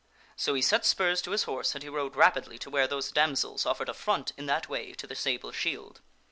So he set spurs to his horse and he rode rapidly to where those damsels offered affront in that way to the sable shield.